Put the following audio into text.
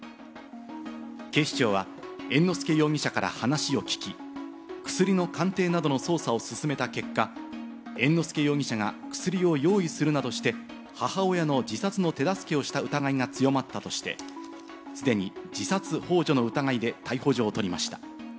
警視庁は猿之助容疑者から話を聞き、薬の鑑定などの捜査を進めた結果、猿之助容疑者が薬を用意するなどして、母親の自殺の手助けをした疑いが強まったとして、すでに自殺ほう助の疑いで逮捕状を取りました。